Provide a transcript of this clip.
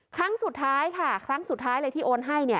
ครั้งสุดท้ายเลยที่โอนให้